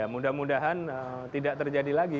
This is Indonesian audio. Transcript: mudah mudahan tidak terjadi lagi